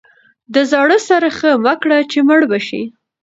د زاړه سره ښه مه کړه چې مړ به شي.